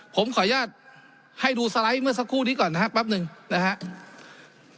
ผมขออนุญาตให้ดูสไลด์เมื่อสักครู่นี้ก่อนนะครับแป๊บหนึ่งนะครับ